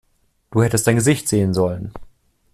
Du hättest dein Gesicht sehen sollen!